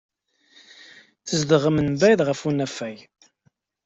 Tzedɣem mebɛid ɣef unafag.